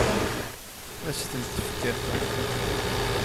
Ad as-tent-tefkem?